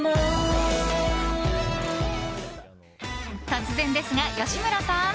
突然ですが、吉村さん。